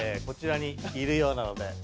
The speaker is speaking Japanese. こちらにいるようなので。